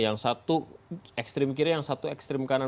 yang satu ekstrim kiri yang satu ekstrim kanan